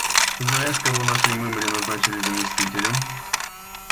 Знаешь, кого нашей мымре назначили заместителем?